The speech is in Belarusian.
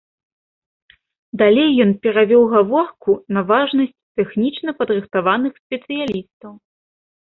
Далей ён перавёў гаворку на важнасць тэхнічна падрыхтаваных спецыялістаў.